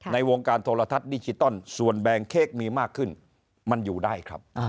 ในวงการโทรทัศน์ดิจิตอลส่วนแบ่งเค้กมีมากขึ้นมันอยู่ได้ครับ